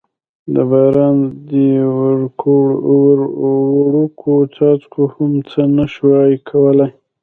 د باران دې وړوکو څاڅکو هم څه نه شوای کولای.